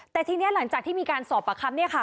แต่ทีนี้หลังจากที่มีการสอบปากคำเนี่ยค่ะ